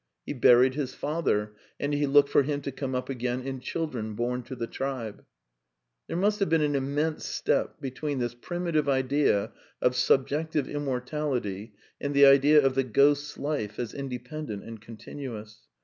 He buried his father, and he looked for him to come up again in children bom to the tribe. There must have been an immense step between this primitive idea of subjective immortality and the idea of the ghost's life as independent and continuous.